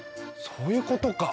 そういうことか。